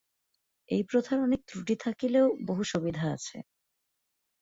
এই প্রথার অনেক ত্রুটি থাকিলেও বহু সুবিধা আছে।